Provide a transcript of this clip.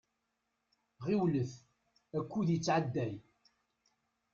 Ɣiwlet, akud yettɛedday.